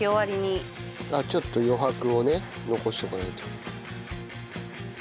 あっちょっと余白をね残しておかないと。